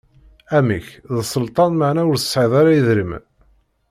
Amek, d sselṭan meɛna ur tesɛiḍ ara idrimen?